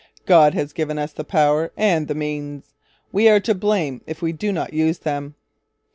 God has given us the power and the means. We are to blame if we do not use them.'